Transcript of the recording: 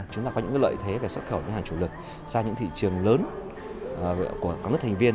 chúng ta có những lợi thế về xuất khẩu những hàng chủ lực sang những thị trường lớn của các nước thành viên